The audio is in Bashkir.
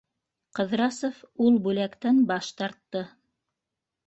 Ҡыҙрасов ул бүләктән баш тартты.